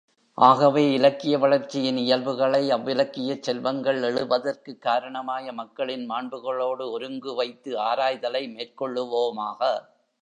ஆகவே, இலக்கிய வளர்ச்சியின் இயல்புகளை, அவ்விலக்கியச் செல்வங்கள் எழுவதற்குக் காரணமாய மக்களின் மாண்புகளோடு ஒருங்கு வைத்து ஆராய்தலை மேற்கொள்ளுவோமாக.